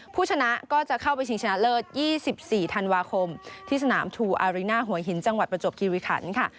ผู้ชนะก็จะเข้าไปชิงชนะเลิศ๒๔ธันวาคมที่สนามทูอาริน่าหัวหินจังหวัดประจวบคิริขันค่ะ